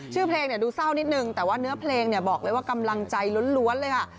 ชื่อเพลงดูเศร้านิดนึงแต่ว่าเนื้อเพลงเนี่ยบอกเลยว่ากำลังใจล้วนเลยค่ะ